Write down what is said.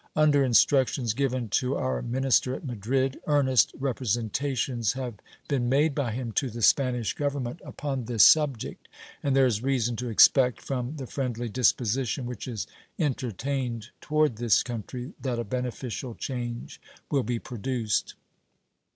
Under instructions given to our minister at Madrid, earnest representations have been made by him to the Spanish Government upon this subject, and there is reason to expect, from the friendly disposition which is entertained toward this country, that a beneficial change will be produced.